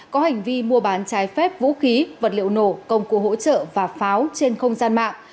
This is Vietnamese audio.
có hành vi mua bán trái phép vũ khí vật liệu nổ công cụ hỗ trợ và pháo trên không gian mạng